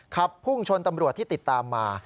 ขับพุ่งชนตำรวจที่ติดตามมา